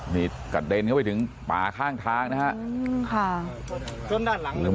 นี่กระเด็นเข้าไปถึงป่าข้างทางนะฮะค่ะเพิ่มด้านหลัง